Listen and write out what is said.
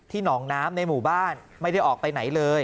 หนองน้ำในหมู่บ้านไม่ได้ออกไปไหนเลย